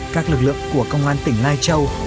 các lực lượng của công an tỉnh lai châu